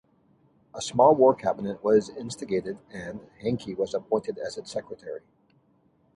A small War Cabinet was instigated and Hankey was appointed as its Secretary.